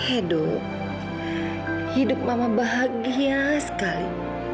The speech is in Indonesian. hidup hidup mama bahagia sekali